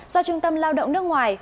do trung tâm lao động nước ngoài